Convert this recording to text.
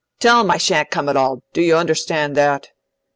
"Tell 'em I shan't come at all! Do you understand that?"